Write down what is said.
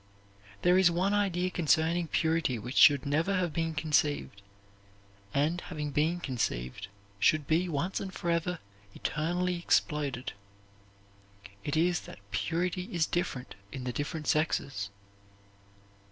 There is one idea concerning purity which should never have been conceived, and, having been conceived, should be, once and forever, eternally exploded. It is that purity is different in the different sexes.